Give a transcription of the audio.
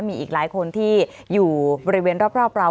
มีอีกหลายคนที่อยู่บริเวณรอบเรา